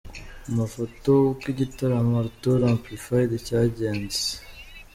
Mu mafoto ukoigitaramo Arthur amplified cyagenze.